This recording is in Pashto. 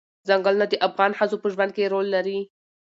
ځنګلونه د افغان ښځو په ژوند کې رول لري.